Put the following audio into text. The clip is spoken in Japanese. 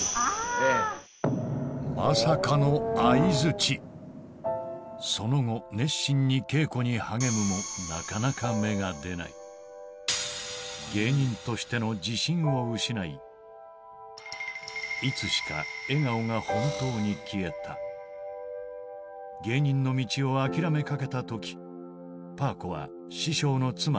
まさかのその後熱心に稽古に励むもなかなか芸人としての自信を失いいつしか笑顔が本当に消えた芸人の道を諦めかけた時パー子は師匠の妻